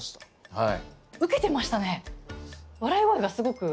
はい。